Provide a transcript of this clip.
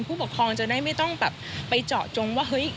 ผู้ปกครองจะได้ไม่ต้องไปเจาะจงว่า